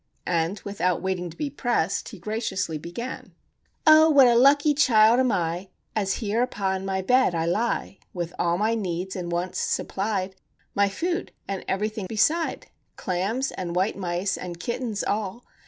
And, without waiting to be pressed, he graciously began:— "Oh, what a lucky child am I, As here upon my bed I lie With all my needs and wants supplied, My food, and everything beside;— Clams, and white mice, and kittens, all!